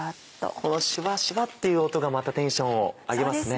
このシュワシュワっていう音がまたテンションを上げますね。